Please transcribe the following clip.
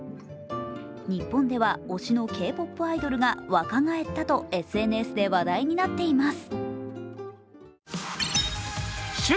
日本では推しのＫ−ＰＯＰアイドルが若返ったとＳＮＳで話題になっています。